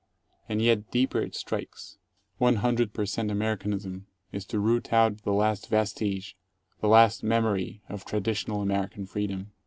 And yet deeper it strikes. One hundred per cent Americanism is to root out the last vestige, the very memory, of traditional American freedom.